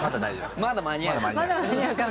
まだ間に合う。